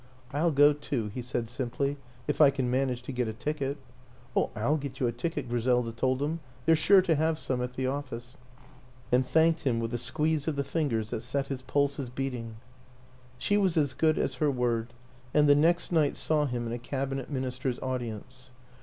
" I'll go too," he said simply, " if I can manage to get a ticket." " Oh, I'll get you a ticket," Griselda told him; " they're sure to 'have some at the office " and thanked him with a squeeze of the fingers that set his pulses beating. She was as good as her word, and the next night saw him in a Cabinet Minister's audience.